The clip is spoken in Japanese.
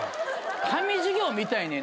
神授業見たいねん。